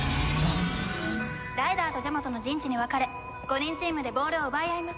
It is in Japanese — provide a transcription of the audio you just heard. ライダーとジャマトの陣地に分かれ５人チームでボールを奪い合います。